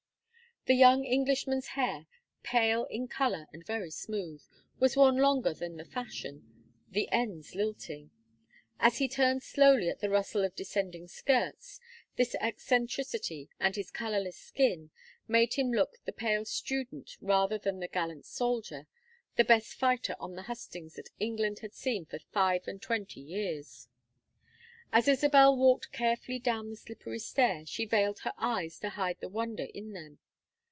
The young Englishman's hair, pale in color and very smooth, was worn longer than the fashion, the ends lilting. As he turned slowly at the rustle of descending skirts, this eccentricity and his colorless skin made him look the pale student rather than the gallant soldier, the best fighter on the hustings that England had seen for five and twenty years. As Isabel walked carefully down the slippery stair she veiled her eyes to hide the wonder in them.